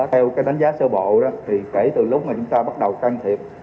theo đánh giá sơ bộ kể từ lúc chúng ta bắt đầu can thiệp